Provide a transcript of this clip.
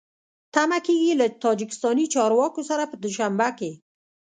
تمه کېږي له تاجکستاني چارواکو سره په دوشنبه کې